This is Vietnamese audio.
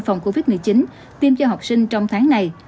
phòng covid một mươi chín tiêm cho học sinh trong tháng này